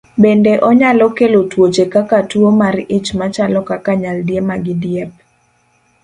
Bende onyalo kelo tuoche kaka tuwo mar ich machalo kaka nyaldiema gi diep.